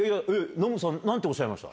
ノムさん何ておっしゃいました？